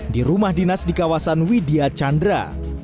di rumah dinas di kawasan widya chandra